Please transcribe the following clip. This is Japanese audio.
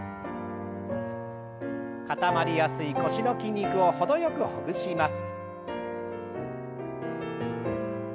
固まりやすい腰の筋肉を程よくほぐします。